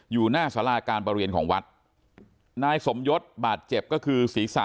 อยู่หน้าสาราการประเรียนของวัดนายสมยศบาดเจ็บก็คือศีรษะ